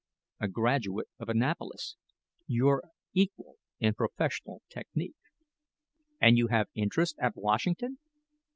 "A graduate of Annapolis. Your equal in professional technic." "And you have interest at Washington?"